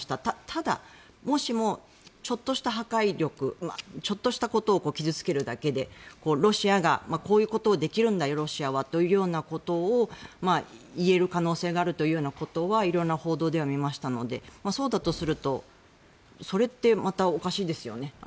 ただ、もしもちょっとした破壊力ちょっとしたことを傷付けるだけでロシアがこういうことをできるんだよロシアはということを言える可能性があるというようなことは色々な報道では見ましたのでそうだとするとそれってまたおかしいですよね。